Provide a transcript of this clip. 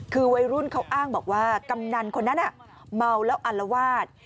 คือวัยรุ่นเขาอ้างบอกว่ากำนันคนนั้นเมาแล้วอัลวาด